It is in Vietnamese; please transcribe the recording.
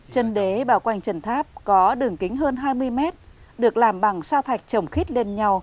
chân đế bảo quanh trần tháp có đường kính hơn hai mươi mét được làm bằng sa thạch trồng khít đê